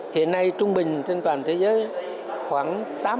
hiện nay trung bình trên toàn thế giới khoảng tám mươi